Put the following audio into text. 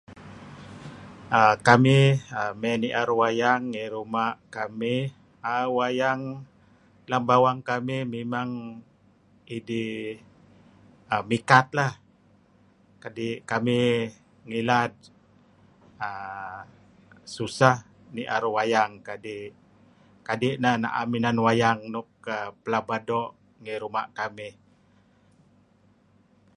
err Kamih mey ni'er wayang ngi ruma' kamih. err wayang lem bawang kamih memang idih mikat lah kadi' kamih ngilad err susah ni'er wayang kadi' neh na'em wayang nuk pelaba doo' ngi ruma' kamih.